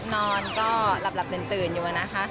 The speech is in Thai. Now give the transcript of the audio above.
นอนก็หลับตื่นอยู่นะคะ